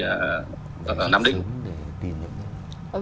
ở nam đích